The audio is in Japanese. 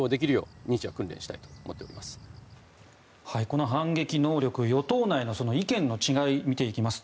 この反撃能力与党内の意見の違いを見ていきます。